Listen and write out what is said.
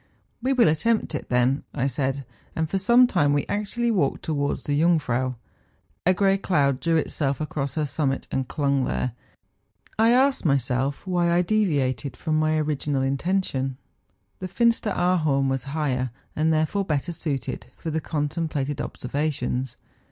' We will attempt it, then,' I said; and for some time we actually walked towards the Jung¬ frau. A grey cloud drew itself across her summit, and clung there. I asked myself why I deviated from my original intention ? The Finsteraarhorn was higher, and therefore better suited for the con¬ templated observations.